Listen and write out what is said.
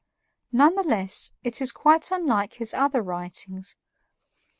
None the less, it is quite unlike his other writings.